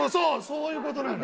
そういう事なの。